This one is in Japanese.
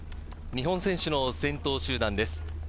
日本選手の先頭集団です。